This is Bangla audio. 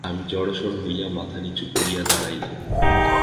আমি জড়োসড়ো হইয়া মাথা নিচু করিয়া দাঁড়াইলাম।